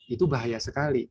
itu bahaya sekali